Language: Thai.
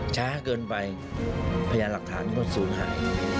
ช้าเกินไปพยายามหลักฐานก็สูญหาย